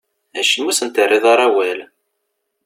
Acimi ur asent-terriḍ ara awal?